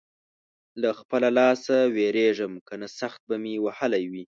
له خپله لاسه وېرېږم؛ که نه سخت به مې وهلی وې.